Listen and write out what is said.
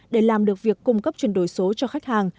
để làm được việc cung cấp chuyển đổi số cho khách hàng